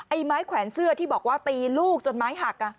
ไม้แขวนเสื้อที่บอกว่าตีลูกจนไม้หัก